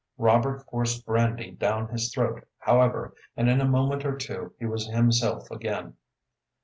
Robert forced brandy down his throat, however, and in a moment or two he was himself again.